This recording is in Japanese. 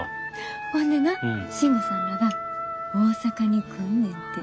ほんでな信吾さんらが大阪に来んねんて。